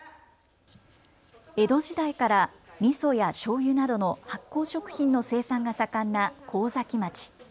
江戸時代からみそやしょうゆなどの発酵食品の生産が盛んな神崎町。